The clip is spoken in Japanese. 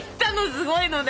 すごいので！